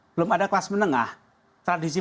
belum ada kelas menengah tradisi